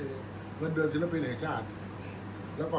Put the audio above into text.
อันไหนที่มันไม่จริงแล้วอาจารย์อยากพูด